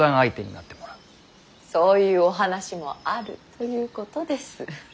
そういうお話もあるということです。